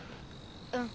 うん。